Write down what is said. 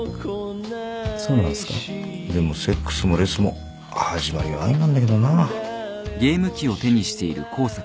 でもセックスもレスも始まりは愛なんだけどな。